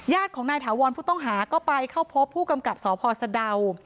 ของนายถาวรผู้ต้องหาก็ไปเข้าพบผู้กำกับสพสะดาว